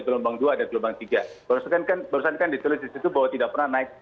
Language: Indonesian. gelombang dua ada gelombang tiga berusakan kan berusakan ditulis itu bahwa tidak pernah naik